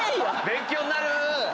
勉強なる！